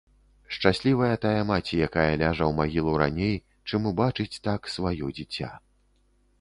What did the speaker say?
Шчаслівая тая маці, якая ляжа ў магілу раней, чым убачыць так сваё дзіця.